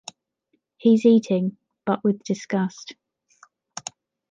He’s eating, but with disgust.